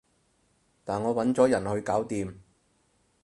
但我搵咗人去搞掂